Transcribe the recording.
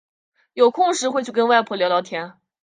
有空时会去跟外婆聊聊天